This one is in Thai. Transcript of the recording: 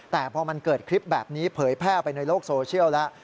แต่พอมันเกิดคลิปแบบนี้เผยแพร่ไปในโลกโซเชียลแล้ว